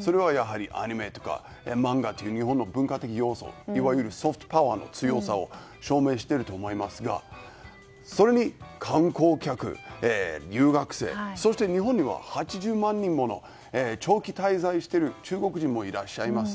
それはやはりアニメとか漫画という日本の文化的要素いわゆるソフトパワーの強さを証明していると思いますがそれに観光客、留学生そして日本には８０万人もの長期滞在している中国人もいらっしゃいます。